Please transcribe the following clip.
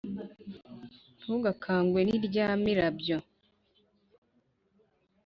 ntugakangwe n' irya mirabyo,